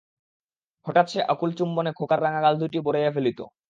হঠাৎ সে আকুল চুম্বনে খোকার রাঙা গাল দুটি ভরাইয়া ফেলিত।